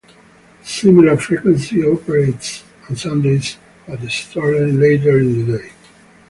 A similar frequency operates on Sundays, but starting later in the day.